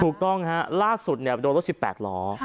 ถูกต้องครับล่าสุดโดนรถ๑๘ล้อ